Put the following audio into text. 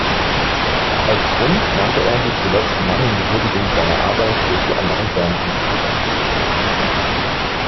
Als Grund nannte er die zuletzt mangelnde Würdigung seiner Arbeit durch die anderen Bandmitglieder.